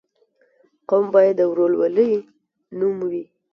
قوم باید د ورورولۍ نوم وي.